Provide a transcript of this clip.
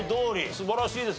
素晴らしいです。